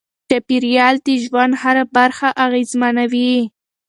چاپیریال د ژوند هره برخه اغېزمنوي.